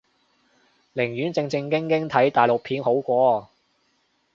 寧願正正經經睇大陸片好過